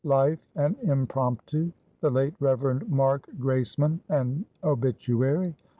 _" "Life: an Impromptu." "_The late Reverend Mark Graceman: an Obituary.